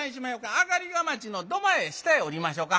上がりがまちの土間へ下へ下りましょか。